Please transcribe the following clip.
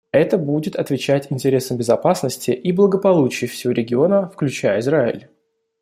Это будет отвечать интересам безопасности и благополучия всего региона, включая Израиль.